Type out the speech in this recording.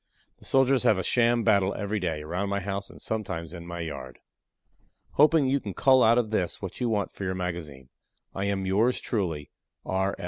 The soldiers have a sham battle every day, around my house and sometimes in my yard. Hoping you can cull out of this what you want for your magazine, I am Yours truly, R.